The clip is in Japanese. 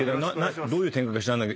どういう展開か知らない。